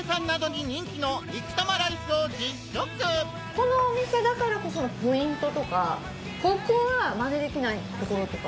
このお店だからこそのポイントとかココはマネできないところとか？